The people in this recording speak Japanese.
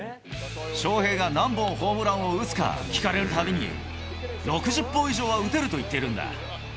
翔平が何本ホームランを打つか聞かれるたびに、６０本以上は打てると言ってるんだ。